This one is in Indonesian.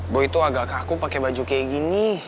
gue itu agak kaku pakai baju kayak gini